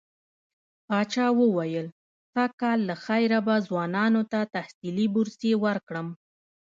پاچا وويل سږ کال له خيره به ځوانانو ته تحصيلي بورسيې ورکړم.